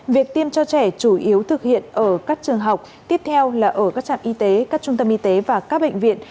việc tiêm cho trẻ chủ yếu thực hiện ở các trường học tiếp theo là ở các trạm y tế các trung tâm y tế và các bệnh viện